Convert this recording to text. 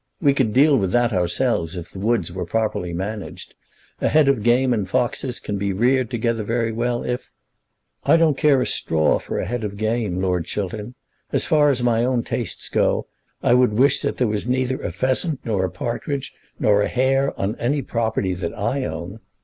We could deal with that ourselves if the woods were properly managed. A head of game and foxes can be reared together very well, if " "I don't care a straw for a head of game, Lord Chiltern. As far as my own tastes go, I would wish that there was neither a pheasant nor a partridge nor a hare on any property that I own.